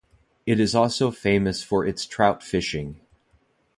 It is also famous for its trout fishing.